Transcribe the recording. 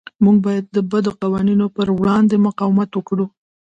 موږ باید د بدو قوانینو پر وړاندې مقاومت وکړو.